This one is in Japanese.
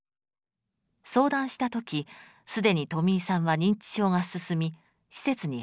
相談した時既にとみいさんは認知症が進み施設に入っていました。